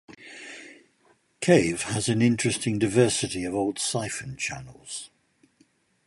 Cave has an interesting diversity of old siphon channels.